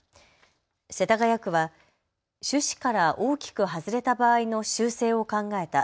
世田谷区は趣旨から大きく外れた場合の修正を考えた。